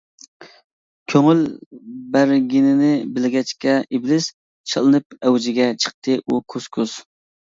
كۆڭۈل بەرگىنىنى بىلگەچكە ئىبلىس، شادلىنىپ ئەۋجىگە چىقتى ئۇ كۇس-كۇس.